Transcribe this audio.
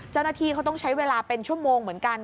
เจ้าหน้าที่เขาต้องใช้เวลาเป็นชั่วโมงเหมือนกัน